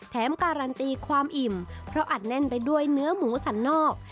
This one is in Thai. แถมการันตีความอิ่มเพราะอัดแน่นไปด้วยเนื้อหมูสันนอก